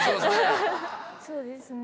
そうですね。